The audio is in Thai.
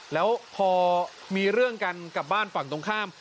แล้วพอมีเรื่องกันกับบ้านฝั่งตรงข้าม